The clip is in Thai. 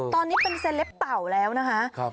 ตอนนี้เป็นเซลปเต่าแล้วนะคะ